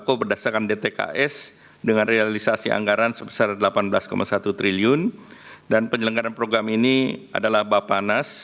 untuk pelaksanaan bantuan pangan dilakukan oleh badan pangan nasional